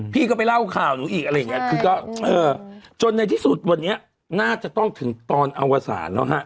พี่ก็ไปเล่าข่าวหนูอีกอะไรอย่างเงี้ยคือก็เออจนในที่สุดวันนี้น่าจะต้องถึงตอนอวสารแล้วฮะ